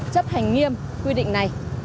chấp hành nghiêm quy định này